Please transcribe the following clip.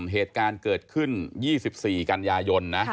เหตุการณ์เกิดขึ้น๒๔กันยายนนะ